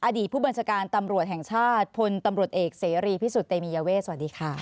อดีตผู้บัญชาการตำรวจแห่งชาติพลตำรวจเอกเสรีพิสุทธิ์เตมียเวทสวัสดีค่ะ